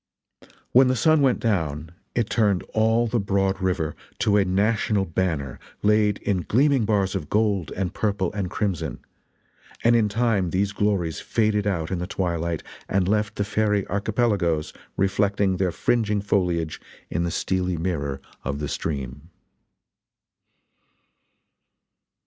When the sun went down it turned all the broad river to a national banner laid in gleaming bars of gold and purple and crimson; and in time these glories faded out in the twilight and left the fairy archipelagoes reflecting their fringing foliage in the steely mirror of the stream.